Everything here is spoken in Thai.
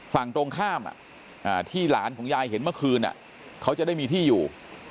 ฝั่งตรงข้ามที่หลานของยายเห็นเมื่อคืนเขาจะได้มีที่อยู่